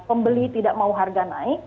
pembeli tidak mau harga naik